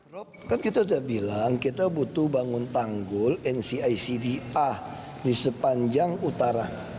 rob kan kita sudah bilang kita butuh bangun tanggul ncicd a di sepanjang utara